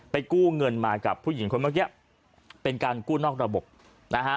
กู้เงินมากับผู้หญิงคนเมื่อกี้เป็นการกู้นอกระบบนะฮะ